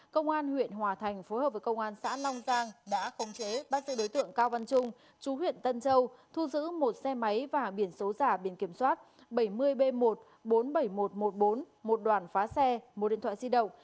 công an huyện hòa thành phối hợp với công an xã long giang đã khống chế bắt giữ đối tượng cao văn trung chú huyện tân châu thu giữ một xe máy và biển số giả biển kiểm soát bảy mươi b một bốn mươi bảy nghìn một trăm một mươi bốn một đoàn phá xe một điện thoại di động